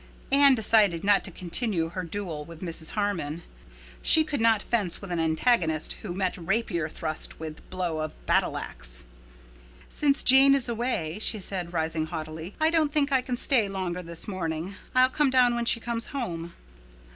Anne decided not to continue her duel with Mrs. Harmon. You could not fence with an antagonist who met rapier thrust with blow of battle axe. "Since Jane is away," she said, rising haughtily, "I don't think I can stay longer this morning. I'll come down when she comes home."